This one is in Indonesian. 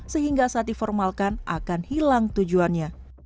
sehingga saat diformalkan akan hilang tujuannya